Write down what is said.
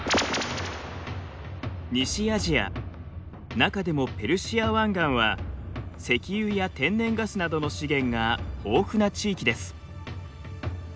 西アジア中でもペルシア湾岸は石油や天然ガスなどの資源が豊富な地域です。